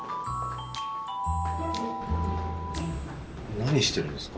なにしてるんですか？